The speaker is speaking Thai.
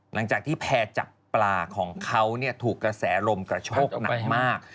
หลังจากที่แพร่จับปลาของเขาถูกกระแสลมกระโชกหนักมาก